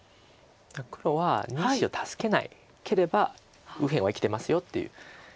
黒は２子を助けなければ右辺は生きてますよっていう打ち方なんです。